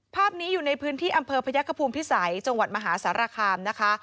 ภาพนี้อยู่ในพื้นที่อำเภอพยักษภูมิพิสัยจังหวัดมหาสารคามนะคะ